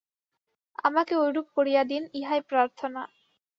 আমাকে ঐরূপ করিয়া দিন, ইহাই প্রার্থনা।